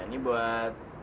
ya ini buat